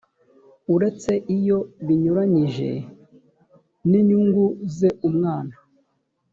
uretse iyo binyuranyije n inyungu ze umwana